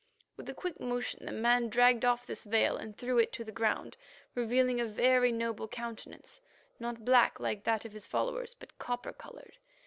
With a quick motion, the man dragged off this veil and threw it to the ground, revealing a very noble countenance, not black like that of his followers, but copper coloured.